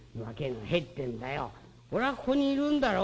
俺はここにいるんだよ。